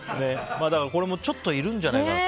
だから、これもちょっといるんじゃないかな。